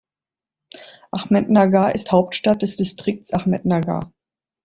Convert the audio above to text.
Ahmednagar ist Hauptstadt des Distrikts Ahmednagar.